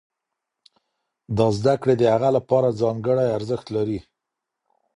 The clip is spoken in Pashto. دا زده کړې د هغه لپاره ځانګړی ارزښت لري.